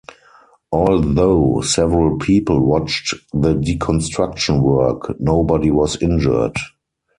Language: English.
Although several people watched the deconstruction work, nobody was injured.